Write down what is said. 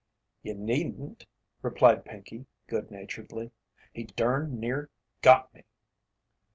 "You needn't," replied Pinkey, good naturedly. "He durned near 'got' me."